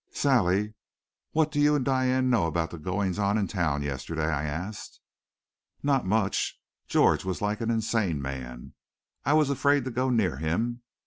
"Sally, what do you and Diane know about the goings on in town yesterday?" I asked. "Not much. George was like an insane man. I was afraid to go near him.